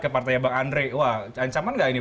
ke partainya bang andre wah ancaman nggak ini